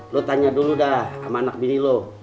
lo tanya dulu dah sama anak bini lo